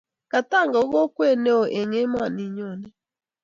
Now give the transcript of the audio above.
Katanga ko kokwee ne oo eng emoni nyone.